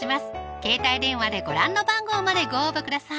携帯電話でご覧の番号までご応募ください